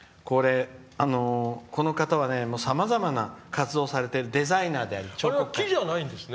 この方はさまざまな活動をされている木じゃないんですね。